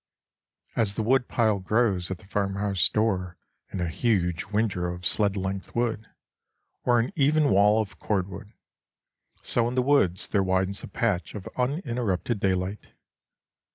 As the woodpile grows at the farmhouse door in a huge windrow of sled length wood or an even wall of cord wood, so in the woods there widens a patch of uninterrupted daylight.